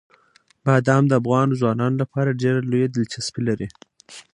بادام د افغان ځوانانو لپاره ډېره لویه دلچسپي لري.